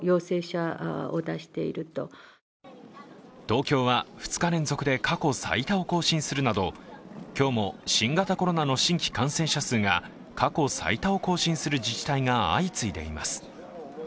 東京は２日連続で過去最多を更新するなど今日も新型コロナの新規感染者数が過去最多を更新する自治体が相次いでいます。